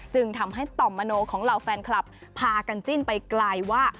จึงทำให้ต่อมมโนของเหล่าแฟนคลับพากันจิ้นไปไกลว่า